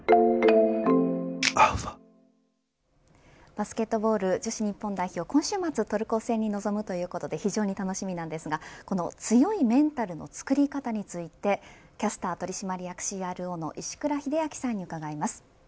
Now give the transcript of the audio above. バスケットボール女子日本代表、今週末トルコ戦に臨むということで非常に楽しみですがこの強いメンタルのつくり方についてキャスター取締役ＣＲＯの石倉秀明さんに伺います。